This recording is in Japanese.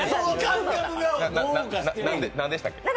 何でしたっけ？